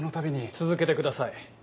続けてください。